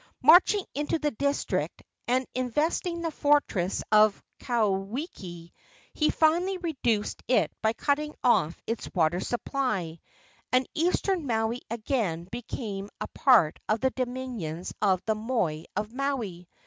Marching into the district and investing the fortress of Kauwiki, he finally reduced it by cutting off its water supply, and Eastern Maui again became a part of the dominions of the moi of Maui.